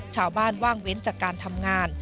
ชาวบ้านว่างเว้นจากการทำงาน